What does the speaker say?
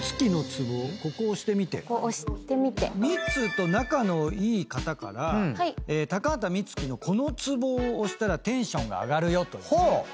ミッツーと仲のいい方から高畑充希のこのツボを押したらテンションが上がるよという。